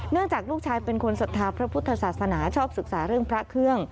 จากลูกชายเป็นคนศรัทธาพระพุทธศาสนาชอบศึกษาเรื่องพระเครื่อง